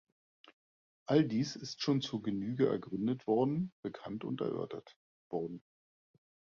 All dies ist schon zur Genüge ergründet worden, bekannt und erörtert worden.